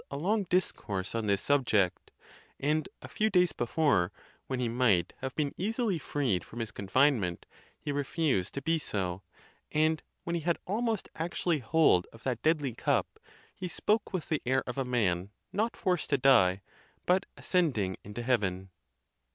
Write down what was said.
a long discourse on this subject; and a few days before, when he might have been easily freed from his con finement, he refused to be so; and when he had almost actually hold of that deadly cup, he spoke with the air of a man not forced to die, but ascending into heaven.